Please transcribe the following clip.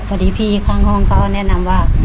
พอดีพี่ข้างห้องเขาก็แนะนำว่า